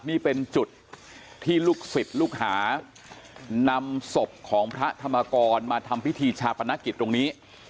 นี่เป็นจุดที่ลูกศิษย์ลูกหานำศพของพระธรรมกรมาทำพิธีชาปนกิจตรงนี้